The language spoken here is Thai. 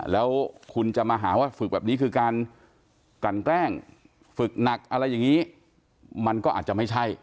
แล้วคุณจะมาหาว่าฝึกแบบนี้คือการกลั่นแกล้งฝึกหนักอะไรอย่างนี้มันก็อาจจะไม่ใช่